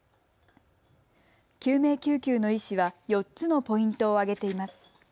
救命救急の医師は４つのポイントを挙げています。